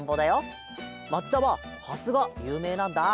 まちだはハスがゆうめいなんだ。